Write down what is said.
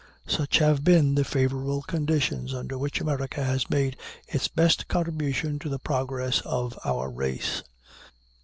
Such have been the favorable conditions under which America has made its best contribution to the progress of our race.